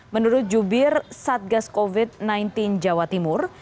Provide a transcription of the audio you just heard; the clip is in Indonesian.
menurut jubir satgas covid sembilan belas jawa timur